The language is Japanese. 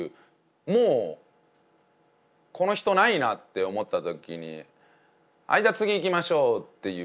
もうこの人ないなって思った時に「はいじゃあ次いきましょう」っていうこの切り方。